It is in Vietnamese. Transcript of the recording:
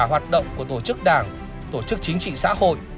hoạt động của tổ chức đảng tổ chức chính trị xã hội